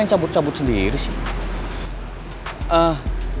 cukup cabut sendiri sih